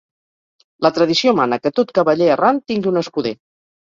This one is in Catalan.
La tradició mana que tot cavaller errant tingui un escuder.